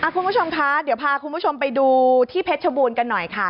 คุณผู้ชมคะเดี๋ยวพาคุณผู้ชมไปดูที่เพชรชบูรณ์กันหน่อยค่ะ